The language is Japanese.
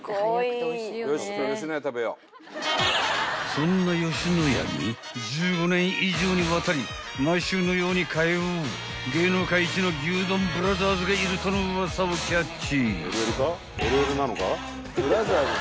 ［そんな野家に１５年以上にわたり毎週のように通う芸能界一の牛丼ブラザーズがいるとのウワサをキャッチ］